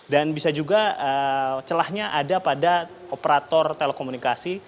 dan bisa juga celahnya ada pada operator telekomunikasi